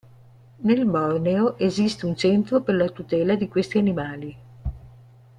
Nel Borneo esiste un centro per la tutela di questi animali.